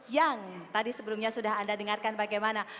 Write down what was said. yang tadi sebelumnya sudah anda dengarkan bagaimana